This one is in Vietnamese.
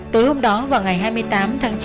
tối hôm đó vào ngày hai mươi tám tháng chín